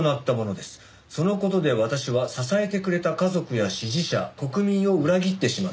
「そのことで私は支えてくれた家族や支持者国民を裏切ってしまった」